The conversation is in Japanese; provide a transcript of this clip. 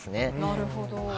なるほど。